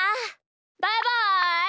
バイバイ！